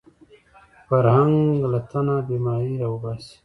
فرهنګ له تنه بیماري راوباسي